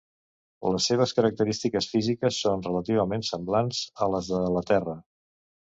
Les seves característiques físiques són relativament semblants a les de la Terra.